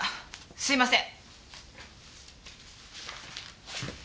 すいません！